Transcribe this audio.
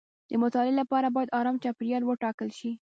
د مطالعې لپاره باید ارام چاپیریال وټاکل شي.